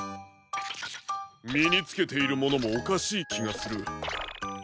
みにつけているものもおかしいきがする。